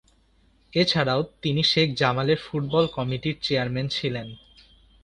এছাড়াও তিনি শেখ জামালের ফুটবল কমিটির চেয়ারম্যান ছিলেন।